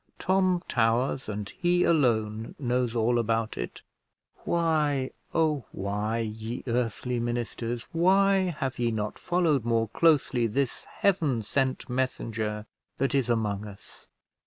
Tom Towers, and he alone, knows all about it. Why, oh why, ye earthly ministers, why have ye not followed more closely this heaven sent messenger that is among us?